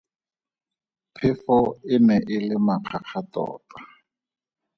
Phefo e ne e le makgakga tota.